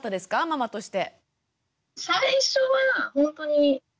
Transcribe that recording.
ママとして。